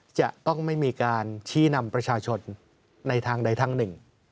จะต้องไม่มีการชี้นำประชาชนในทางใดทางหนึ่ง